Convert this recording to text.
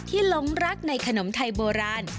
ที่ล้มรักในขนมไทยโบราณ